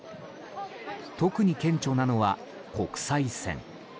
特に顕著なのは、国際線。